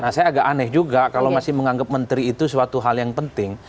saya agak aneh juga kalau masih menganggap menteri itu suatu hal yang penting